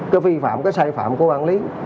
cái vi phạm cái sai phạm của ban quản lý